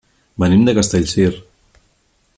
Venim de Castellcir.